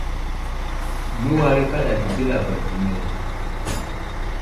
Nəwara kaɗa dədi lavaɗ ve me.